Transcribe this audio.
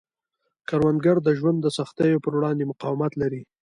کروندګر د ژوند د سختیو پر وړاندې مقاومت لري